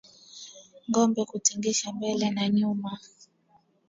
Ngombe kutingishika mbele na nyuma